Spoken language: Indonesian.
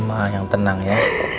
mama yang tenang ya